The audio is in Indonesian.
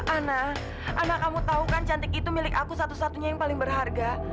ana anak kamu tahu kan cantik itu milik aku satu satunya yang paling berharga